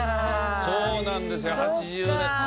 そうなんですよ８０代は。